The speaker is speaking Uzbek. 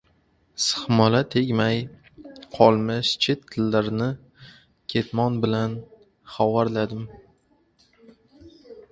Sixmola tegmay qolmish chet-chetlarni ketmon bilan havorladim.